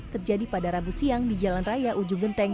terjadi pada rabu siang di jalan raya ujung genteng